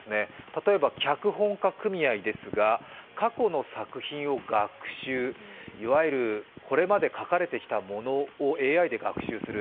例えば脚本家組合の場合過去の作品を学習、いわゆる、これまで書かれてきたものをＡＩで学習する。